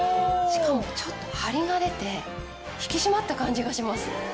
しかもちょっとハリが出て引き締まった感じがします。